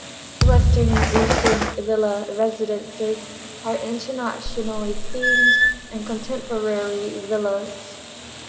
Western and Eastern Villa Residences are internationally themed and contemporary villas.